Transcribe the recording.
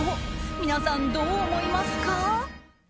皆さん、どう思いますか？